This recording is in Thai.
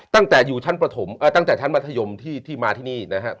ตั้งแต่อยู่ชั้นประถมตั้งแต่ชั้นมัธยมที่มาที่นี่นะครับ